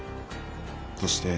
そして。